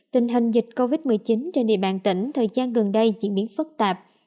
tình hình dịch covid một mươi chín trên địa bàn tỉnh thời gian gần đây diễn biến phức tạp